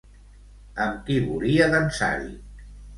Amb qui volia dansar-hi?